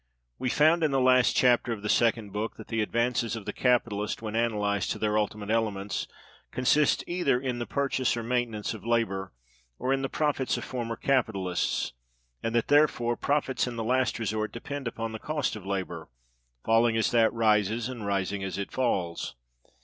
We found, in the last chapter of the Second Book, that the advances of the capitalist, when analyzed to their ultimate elements, consist either in the purchase or maintenance of labor, or in the profits of former capitalists; and that, therefore, profits in the last resort depend upon the Cost of Labor, falling as that rises, and rising as it falls.